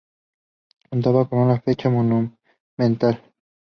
Contaba con una fachada monumental.